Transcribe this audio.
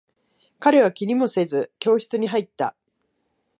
彼は気にもせず、教室に入った。